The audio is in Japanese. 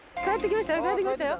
帰ってきましたよ